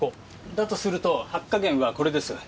だとすると発火源はこれです。